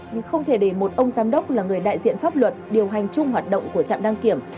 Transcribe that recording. nhưng không thể để một ông giám đốc là người đại diện pháp luật điều hành chung hoạt động của trạm đăng kiểm